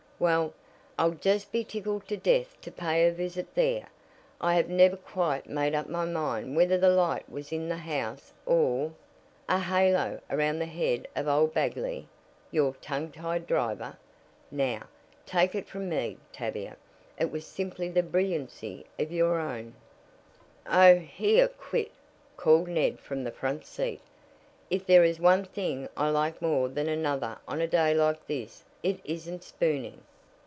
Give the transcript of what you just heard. "Well, I'll just be tickled to death to pay a visit there. I have never quite made up my mind whether the light was in the house or " "A halo around the head of old Bagley, your tongue tied driver. Now, take it from me, Tavia, it was simply the brilliancy of your own " "Oh, here, quit!" called Ned from the front seat. "If there is one thing I like more than another on a day like this it isn't spooning."